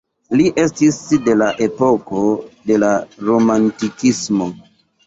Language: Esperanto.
Li estis de la epoko de la Romantikismo.